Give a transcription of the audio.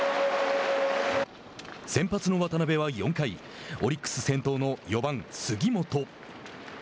先発の渡邉は４回オリックス先頭の４番杉本。